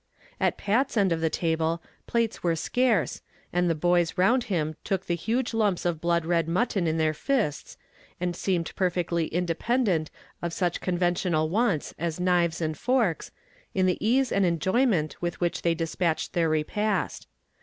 At Pat's end of the table plates were scarce, and the boys round him took the huge lumps of blood red mutton in their fists, and seemed perfectly independent of such conventional wants as knives and forks, in the ease and enjoyment with which they dispatched their repast.